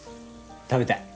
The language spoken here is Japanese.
食べたい。